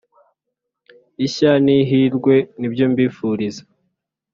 ishya nihirwe nibyo mbifuriza